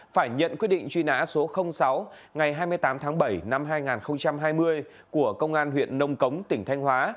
phải nhận quyết định truy nã số sáu ngày hai mươi tám tháng bảy năm hai nghìn hai mươi của công an huyện nông cống tỉnh thanh hóa